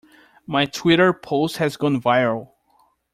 My Twitter post has gone viral.